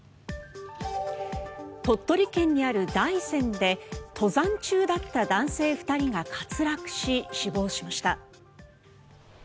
鳥取県にある大山で登山中だった男性２人が滑落し死亡しました。